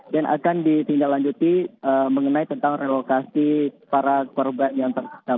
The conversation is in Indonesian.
dan akan disindahlanjuti mengenai tentang relokasi para korban